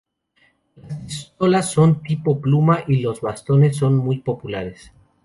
Las pistolas tipo pluma y los bastones son muy populares.